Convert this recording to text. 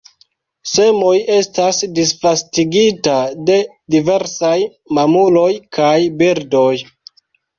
Semoj estas disvastigita de diversaj mamuloj kaj birdoj.